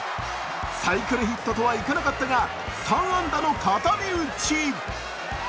サイクルヒットとはいかなかったが、３安打の固め打ち。